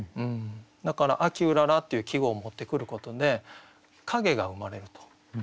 だから「秋麗」っていう季語を持ってくることで影が生まれると。